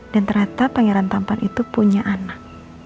dan ternyata pangeran tampan itu punya anak